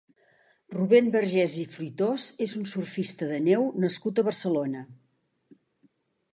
Rubén Vergés i Fruitós és un surfista de neu nascut a Barcelona.